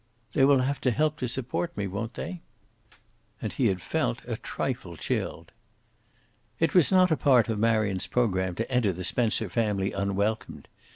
"They will have to help to support me, won't they?" And he had felt a trifle chilled. It was not a part of Marion's program to enter the Spencer family unwelcomed.